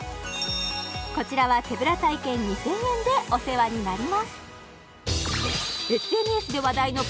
こちらは手ぶら体験２０００円でお世話になります